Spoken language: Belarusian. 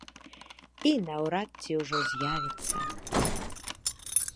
І наўрад ці ўжо з'явіцца.